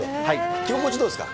着心地どうですか？